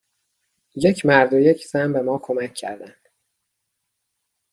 یک مرد و یک زن به ما کمک کردند.